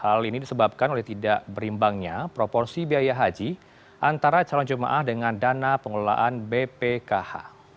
hal ini disebabkan oleh tidak berimbangnya proporsi biaya haji antara calon jemaah dengan dana pengelolaan bpkh